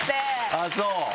あぁそう！